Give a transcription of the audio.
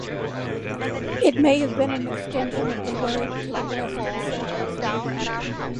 It may have been an extension of the lade to the west and south.